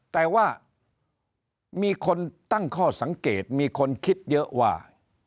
แต่ว่ามีคนตั้งข้อสังเกตมีคนคิดเยอะว่า